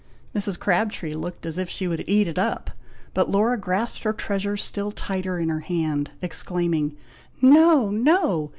Mrs. Crabtree looked as if she would eat it up; but Laura grasped her treasure still tighter in her hand, exclaiming, "No! no!